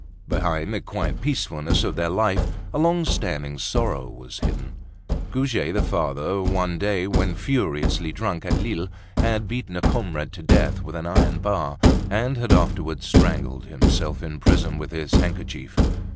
Behind the quiet peacefulness of their life, a long standing sorrow was hidden. Goujet the father, one day when furiously drunk at Lille, had beaten a comrade to death with an iron bar and had afterwards strangled himself in prison with his handkerchief.